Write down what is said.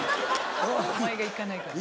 お前が行かないから。